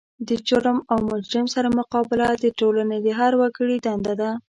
د جرم او مجرم سره مقابله د ټولنې د هر وګړي دنده ده.